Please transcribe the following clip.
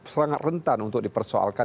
sangat rentan untuk dipersoalkan